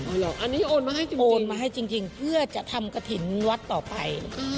อร่อยเหรออันนี้โอนมาให้จริงเพื่อจะทำกระถิ่นวัดต่อไป